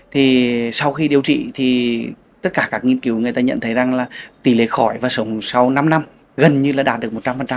thì sau khi điều trị thì tất cả các nghiên cứu người ta nhận thấy rằng là tỷ lệ khỏi và sống sau năm năm gần như là đạt được một trăm linh